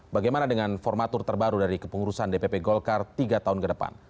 bagaimana dengan formatur terbaru dari kepengurusan dpp golkar tiga tahun ke depan